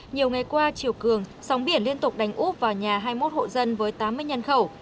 nhiều ngày qua chiều cường sóng biển liên tục đánh úp vào nhà hai mươi một hộ dân với tám mươi nhân khẩu